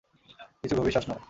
কিছু গভীর শ্বাস নাও।